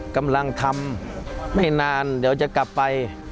กำลังทำไม่นานเดี๋ยวจะกลับไป